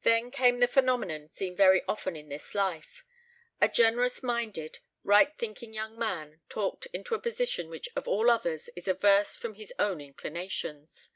Then came that phenomenon seen very often in this life a generous minded, right thinking young man talked into a position which of all others is averse from his own inclinations.